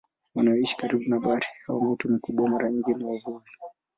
Wanaoishi karibu na bahari au mito mikubwa mara nyingi ni wavuvi.